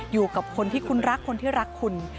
อยู่กับคนที่คุณรักคนที่รักคุณ